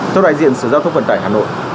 tôi đại diện sự giao thông vận tải hà nội